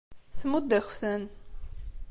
Tmudd-ak-ten.